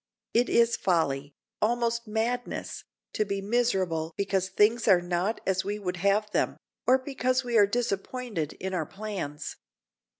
It is folly, almost madness, to be miserable because things are not as we would have them, or because we are disappointed in our plans.